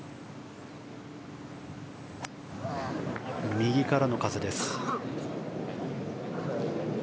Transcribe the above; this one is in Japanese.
右からの風です。